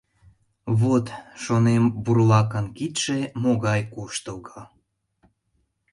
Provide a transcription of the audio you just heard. Вот, шонем, бурлакын кидше могай куштылго!